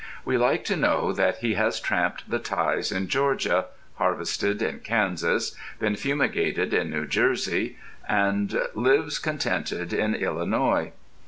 We like to know that he has tramped the ties in Georgia, harvested in Kansas, been fumigated in New Jersey, and lives contented in Illinois.